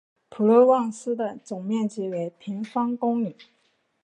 普罗旺斯的总面积为平方公里。